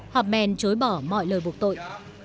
hauptmann chối bỏ mọi lời buộc tội